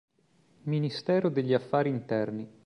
Ministero degli affari interni